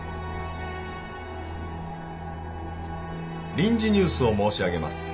臨時ニュースを申し上げます。